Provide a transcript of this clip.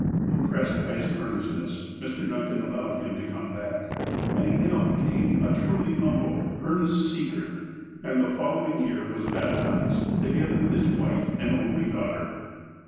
Impressed by his earnestness, Mr. Duncan allowed him to come back, and he now became a truly humble, earnest seeker, and the following year was baptized, to gether with his wife and only daughter.